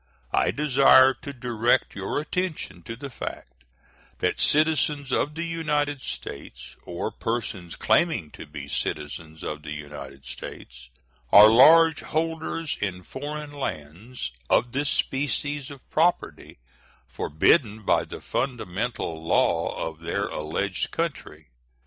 I desire to direct your attention to the fact that citizens of the United States, or persons claiming to be citizens of the United States, are large holders in foreign lands of this species of property, forbidden by the fundamental law of their alleged country.